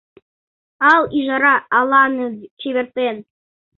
Ал ӱжара аланым чевертен.